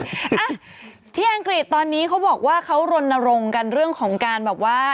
อ่ะที่อังกฤษตอนนี้เขาบอกว่าเขารณรงค์กันเรื่องของการแบบว่า